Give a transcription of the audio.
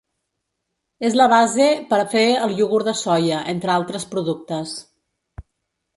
És la base per a fer el iogurt de soia, entre altres productes.